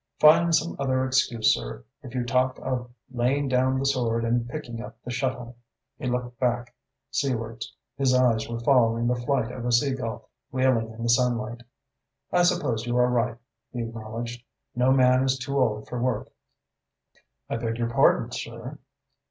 Find some other excuse, sir, if you talk of laying down the sword and picking up the shuttle." He looked back seawards. His eyes were following the flight of a seagull, wheeling in the sunlight. "I suppose you are right," he acknowledged. "No man is too old for work." "I beg your pardon, sir."